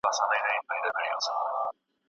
ما ته په دې قضیه کې هیڅ حق نه دی ورکړل شوی.